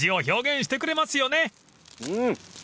うん！